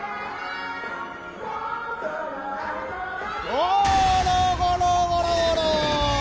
・ゴロゴロゴロゴロ。